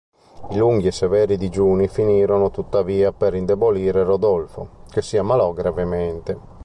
I lunghi e severi digiuni finirono tuttavia per indebolire Rodolfo, che si ammalò gravemente.